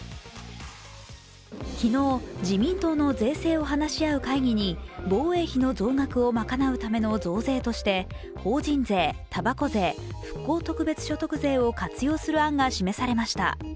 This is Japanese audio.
昨日、自民党の税制を話し合う会議に防衛費の増額を賄うための増税として法人税、たばこ税、復興特別所得税を活用する案が示されました。